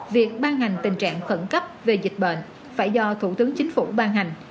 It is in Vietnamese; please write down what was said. việc ban hành tình trạng khẩn cấp về dịch bệnh phải do thủ tướng chính phủ ban hành